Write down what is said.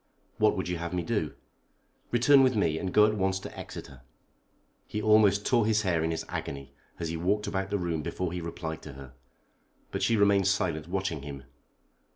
"What would you have me do?" "Return with me, and go at once to Exeter." He almost tore his hair in his agony as he walked about the room before he replied to her. But she remained silent, watching him.